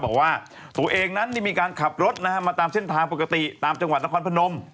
บอกว่าตัวเองนั้นมีการขับรถนะฮะมาตามเส้นทางปกติตามจังหวัดนครพนม